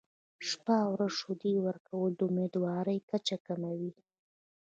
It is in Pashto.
شپه او ورځ شیدې ورکول د امیندوارۍ کچه کموي.